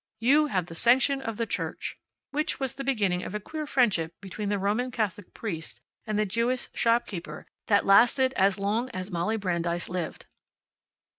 "You have the sanction of the Church." Which was the beginning of a queer friendship between the Roman Catholic priest and the Jewess shopkeeper that lasted as long as Molly Brandeis lived.